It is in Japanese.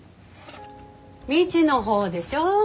未知の方でしょ？